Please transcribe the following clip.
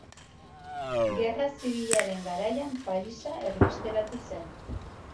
Gerra Zibilaren garaian Parisa erbesteratu zen.